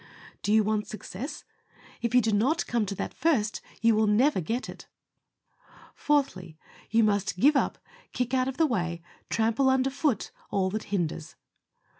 Do you want success? If you do not come to that first, you will never get it. Fourthly _You must give up, kick out of the way, trample underfoot, all that hinders.